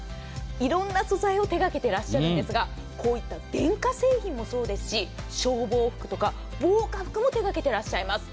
いろんな素材を手掛けていらっしゃるんですが電化製品もそうですし消防服とか防火服も手掛けていらっしゃいます。